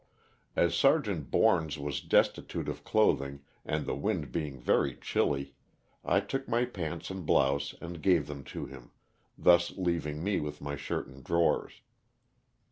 As Sergeant Borns was destitute of clothing, and the wind being very chilly, I took my pants and blouse and gave them to him thus leaving me with my shirt and drawers.